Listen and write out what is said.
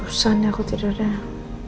susah nih aku tidur dah